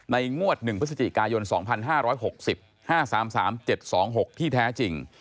งวด๑พฤศจิกายน๒๕๖๐๕๓๓๗๒๖ที่แท้จริง